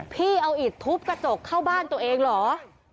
พี่เอาอิดทุบกระจกเข้าบ้านตัวเองเหรอ